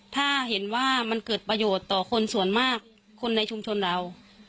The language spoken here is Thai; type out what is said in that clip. ถ้าเห็นว่ามันเกิดประโยชน์ต่อคนส่วนมากคนในชุมชนเรา